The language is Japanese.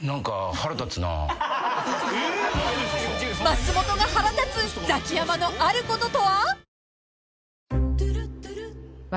［松本が腹立つザキヤマのあることとは？］